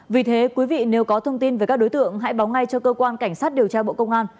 vì thế quý vị nếu có thông tin về các đối tượng hãy báo ngay cho cơ quan cảnh sát điều tra bộ công an